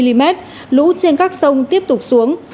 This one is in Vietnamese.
lũ trên các sông tiếp tục xuống